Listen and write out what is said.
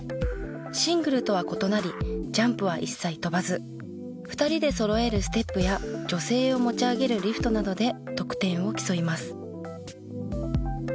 シングルとは異なりジャンプは一切跳ばず２人でそろえるステップや女性を持ち上げるリフトなどで得点を競います。